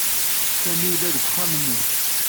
Sami yella deg uxxam-nni.